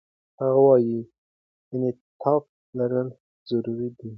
هغه وايي، انعطاف لرل ضروري دي.